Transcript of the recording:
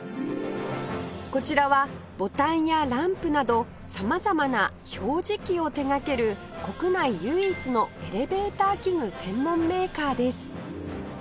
こちらはボタンやランプなど様々な表示器を手掛ける国内唯一のエレベーター器具専門メーカーです